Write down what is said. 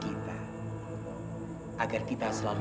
ibu ragu aku ada lagi